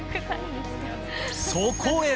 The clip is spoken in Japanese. そこへ。